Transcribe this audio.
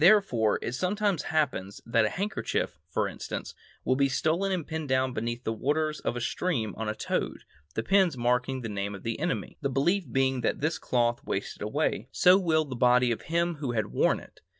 Therefore, it sometimes happens that a handkerchief, for instance, will be stolen and pinned down beneath the waters of a stream on a toad, the pins marking the name of the enemy, the belief being that as this cloth wastes away, so will the body of him who had worn it.